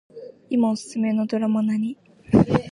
いまおすすめのドラマ何